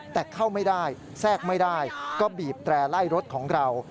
แต่เข้าไม่ได้แทรกไม่ได้ก็บีบแตร่ไล่รถของเรา